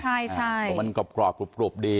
เพราะมันกรอบกรูปดี